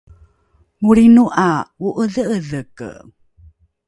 molrino ’a o’edhe’edheke